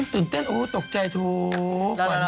ตื่นเต้นโอ้ตกใจทุกวัน